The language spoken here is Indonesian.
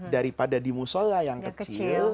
daripada di musola yang kecil